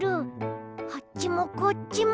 あっちもこっちも。